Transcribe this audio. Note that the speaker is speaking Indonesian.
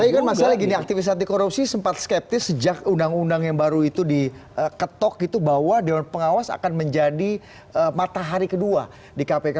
tapi kan masalahnya gini aktivis anti korupsi sempat skeptis sejak undang undang yang baru itu diketok gitu bahwa dewan pengawas akan menjadi matahari kedua di kpk